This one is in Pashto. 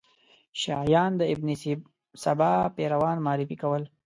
شیعیان د ابن سبا پیروان معرفي کول.